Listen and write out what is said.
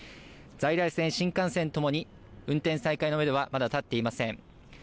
在来線、新幹線ともに運転再開のめどはまだ立っていません。